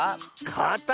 「かた」？